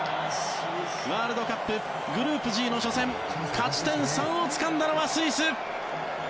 ワールドカップグループＧの初戦勝ち点３をつかんだのはスイス！